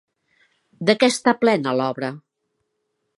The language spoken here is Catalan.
De què està plena l'obra?